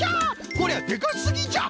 こりゃでかすぎじゃ！